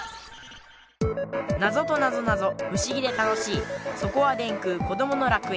ナゾとなぞなぞ不思議で楽しいそこは電空こどもの楽園。